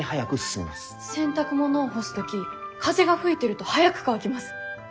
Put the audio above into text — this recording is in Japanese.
洗濯物を干す時風が吹いてると早く乾きます。